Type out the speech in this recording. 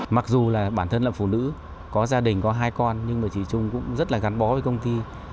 mặc dù là bản thân là phụ nữ có gia đình có hai con nhưng mà chị trung cũng rất là gắn bó với công ty